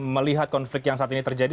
melihat konflik yang saat ini terjadi